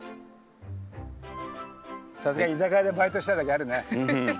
さすが居酒屋でバイトしてただけあるね。